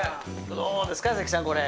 どうですか、関さん、これ。